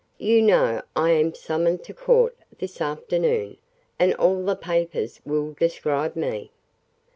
You know I am summoned to court this afternoon, and all the papers will describe me."